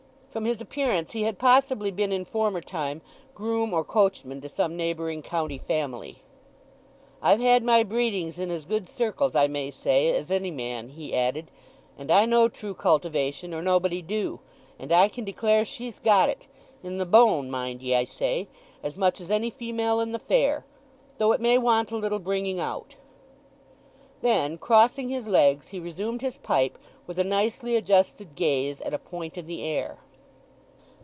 From his appearance he had possibly been in former time groom or coachman to some neighbouring county family. "I've had my breedings in as good circles, I may say, as any man," he added, "and I know true cultivation, or nobody do; and I can declare she's got it—in the bone, mind ye, I say—as much as any female in the fair—though it may want a little bringing out." Then, crossing his legs, he resumed his pipe with a nicely adjusted gaze at a point in the air.